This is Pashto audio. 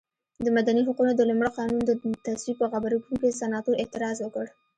د مدني حقونو د لومړ قانون د تصویب په غبرګون کې سناتور اعتراض وکړ.